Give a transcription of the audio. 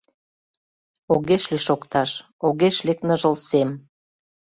Огеш лий шокташ, огеш лек ныжыл сем.